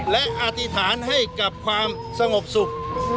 และอธิษฐานให้กับความสงบสุข